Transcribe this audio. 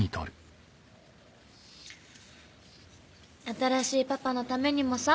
新しいパパのためにもさ。